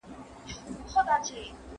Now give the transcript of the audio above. ايا زغم له بې صبرۍ څخه ښه دی؟